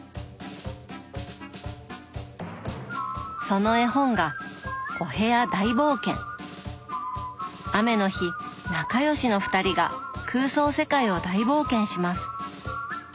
その絵本が雨の日仲良しの２人が空想世界を大冒険します。